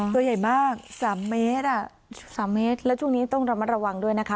ตัวใหญ่มาก๓เมตร๓เมตรแล้วช่วงนี้ต้องระมัดระวังด้วยนะคะ